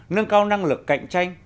nâng cao năng lực cạnh tranh